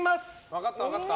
分かった、分かった。